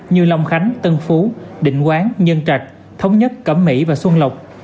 như lòng khánh tân phú định quán nhân trạc thống nhất cẩm mỹ và xuân lộc